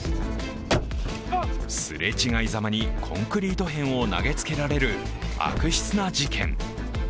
すれ違いざまにコンクリート片を投げつけられる悪質な事件。